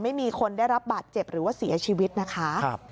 ไม่มีคนได้รับบาดเจ็บหรือว่าเสียชีวิตนะคะ